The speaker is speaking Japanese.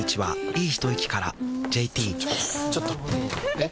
えっ⁉